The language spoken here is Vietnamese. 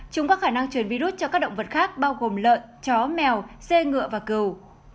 chúng có khả năng truyền virus cho các động vật khác bao gồm lợn chó mèo cê ngựa và cầu